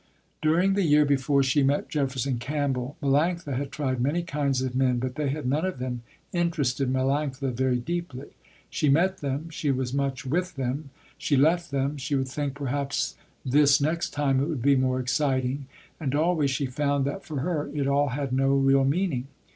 During the year before she met Jefferson Campbell, Melanctha had tried many kinds of men but they had none of them interested Melanctha very deeply. She met them, she was much with them, she left them, she would think perhaps this next time it would be more exciting, and always she found that for her it all had no real meaning.